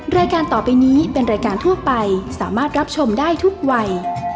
รายการต่อไปนี้เป็นรายการทั่วไปสามารถรับชมได้ทุกวัย